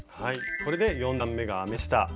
これで４段めが編めました。